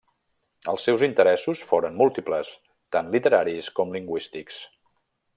Els seus interessos foren múltiples, tant literaris com lingüístics.